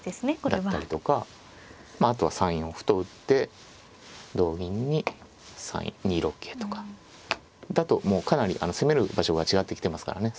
だったりとかまああとは３四歩と打って同銀に２六桂とかだともうかなり攻める場所が違ってきてますからね